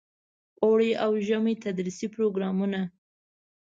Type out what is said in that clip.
اوړني او ژمني تدریسي پروګرامونه.